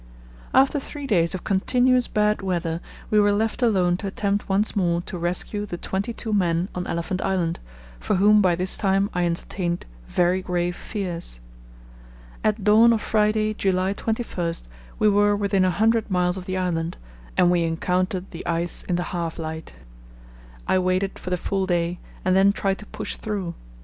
After three days of continuous bad weather we were left alone to attempt once more to rescue the twenty two men on Elephant Island, for whom by this time I entertained very grave fears. At dawn of Friday, July 21, we were within a hundred miles of the island, and we encountered the ice in the half light. I waited for the full day and then tried to push through.